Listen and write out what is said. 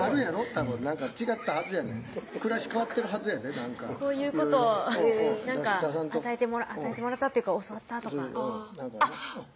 たぶん何か違ったはずやねん暮らし変わってるはずやで何かいろいろ出さんと与えてもらったっていうか教わったとかあっ！